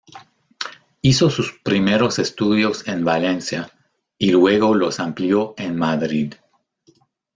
Hizo sus primeros estudios en Valencia y luego los amplió en Madrid.